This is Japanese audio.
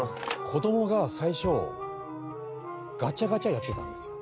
子どもが最初ガチャガチャやってたんですよ